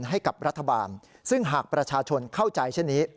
ให้กับรัฐบาลซึ่งหากประชาชนเข้าใจเช่นนี้